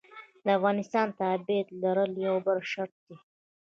د افغانستان تابعیت لرل یو بل شرط دی.